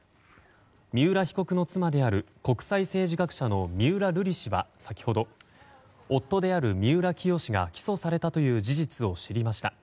三浦被告の妻である国際政治学者の三浦瑠麗氏は先ほど、夫である三浦清志が起訴されたという事実を知りました。